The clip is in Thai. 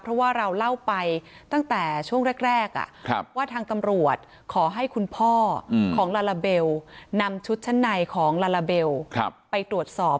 เพราะว่าเราเล่าไปตั้งแต่ช่วงแรกว่าทางตำรวจขอให้คุณพ่อของลาลาเบลนำชุดชั้นในของลาลาเบลไปตรวจสอบ